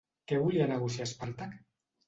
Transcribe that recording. Què volia negociar Espàrtac?